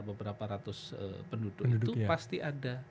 beberapa ratus penduduk itu pasti ada